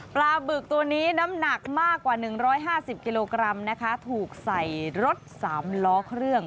ปลาบึกตัวนี้น้ำหนักมากกว่า๑๕๐กิโลกรัมนะคะถูกใส่รถ๓ล้อเครื่อง